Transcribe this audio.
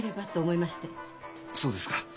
そうですか。